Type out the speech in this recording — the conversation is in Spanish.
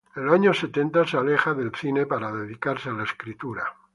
En los años setenta se aleja del cine para dedicarse a la escritura.